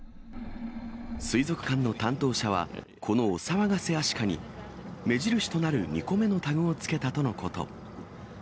水族館の担当者は、このお騒がせアシカに、目印となる２個目のタグをつけたとのこと。